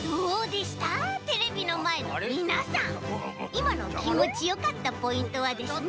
いまのきんもちよかったポイントはですね。